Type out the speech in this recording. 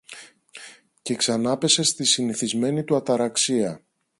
και ξανάπεσε στη συνηθισμένη του αταραξία.